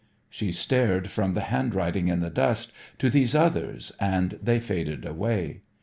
She stared from the handwriting in the dust to these others and they faded away.